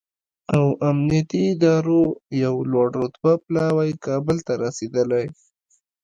او امنیتي ادارو یو لوړ رتبه پلاوی کابل ته رسېدلی